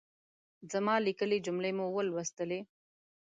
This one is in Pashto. زما ليکلۍ جملې مو ولوستلې؟